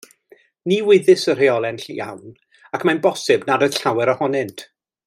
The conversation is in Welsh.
Ni wyddys y rheolau'n iawn ac mae'n bosibl nad oedd llawer ohonynt.